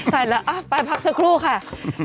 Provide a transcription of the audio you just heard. ใช่แล้วไปพักสักครู่ค่ะ